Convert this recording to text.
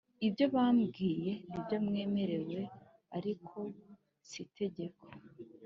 Ibyo mbabwiye ni ibyo mwemerewe ariko s’ itegeko